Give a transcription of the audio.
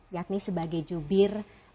yakni sebagai jubir